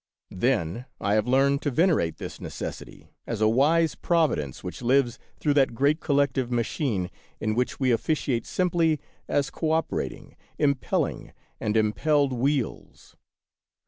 Then I have learned to venerate this Necessity as a wise Providence which lives through that great collective Machine in which we officiate simply as cooperating, im pelling, and impelled wheels.